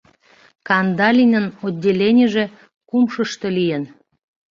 Кандалинын отделенийже кумшышто лийын.